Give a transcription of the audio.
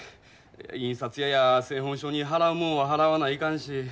印刷屋や製本所に払うもんは払わないかんし。